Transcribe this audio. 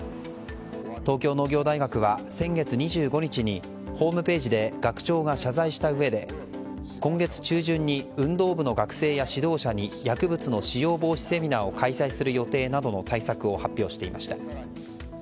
東京農業大学は先月２５日にホームページで学長が謝罪したうえで今月中旬に運動部の学生や指導者に薬物の使用防止セミナーを開催する予定などの対策を発表していました。